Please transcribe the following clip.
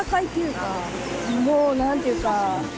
もう何ていうか。